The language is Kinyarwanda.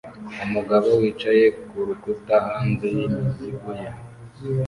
Umugabo wicaye kurukuta hanze n'imizigo ye